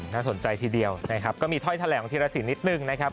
น่าสนใจทีเดียวนะครับก็มีถ้อยแถลงของธีรสินนิดนึงนะครับ